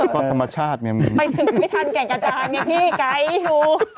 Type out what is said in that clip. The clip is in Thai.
ข้อธรรมชาติเหมือนไปถึงไม่ทันแก่งกระจานนี่พี่ไก๊ฮู